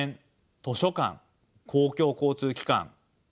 図書館公共交通機関公共放送